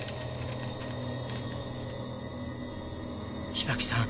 芝木さん